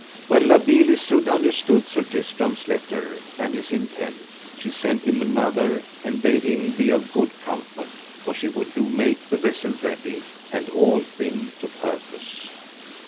When La Beale Isoud understood Sir Tristram's letters and his intent, she sent him another, and bade him be of good comfort, for she would do make the vessel ready, and all thing to purpose.